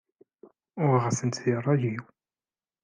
Uɣent-tent di rray-nsen.